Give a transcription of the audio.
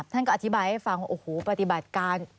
ท่านก็อธิบายให้ฟังว่าโอ้โหปฏิบัติการ